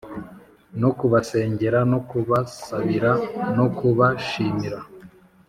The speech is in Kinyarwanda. no kubasengera no kubasabira no kubashimira,